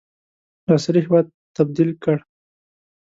عصري هیواد تبدیل کړ.